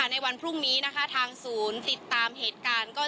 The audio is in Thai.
ในวันพรุ่งนี้นะคะทางศูนย์ติดตามเหตุการณ์ก็